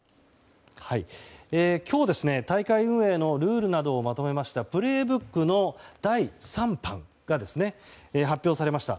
今日、大会運営のルールなどをまとめました「プレイブック」の第３版が発表されました。